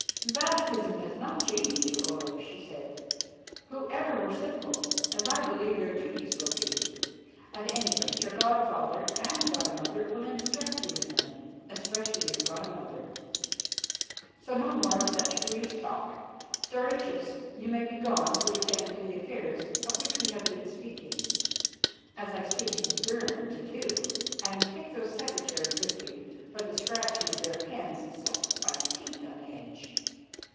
"Baptism has not changed you, Olaf," she said, "who ever were simple, as I believe your duties will be. At any rate, your god father and god mother will instruct you in them especially your god mother. So no more of such foolish talk. Stauracius, you may be gone to attend to the affairs of which we have been speaking, as I see you burn to do, and take those secretaries with you, for the scratching of their pens sets my teeth on edge.